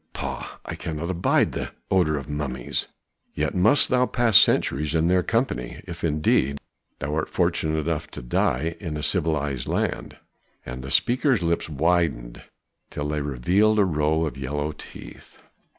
Pah! I cannot abide the odor of mummies." "Yet must thou pass centuries in their company, if indeed thou art fortunate enough to die in a civilized land." And the speaker's lips widened till they revealed a row of yellow teeth.